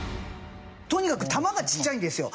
とにかく玉がちっちゃいんですよ。